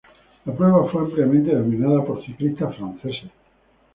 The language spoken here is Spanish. La prueba fue ampliamente dominada por ciclistas franceses.